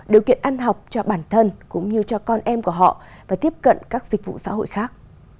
điều kiện ăn học cho bản thân cũng như cho con em của họ và tiếp cận các dịch vụ xã hội khác